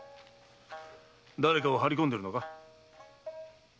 だれかを張り込んでるのか？